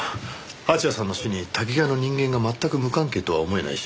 蜂矢さんの死にタキガワの人間が全く無関係とは思えないし。